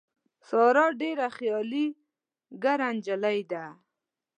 ساره ډېره خیالي ګره نجیلۍ ده.